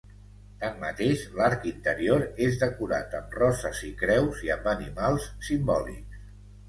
Tanmateix, l'arc interior és decorat amb roses i creus, i amb animals simbòlics.